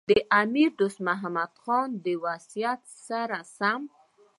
د امیر دوست محمد خان د وصیت سره سم.